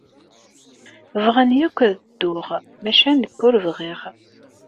Bɣan akk ad dduɣ, maca nekk ur bɣiɣ.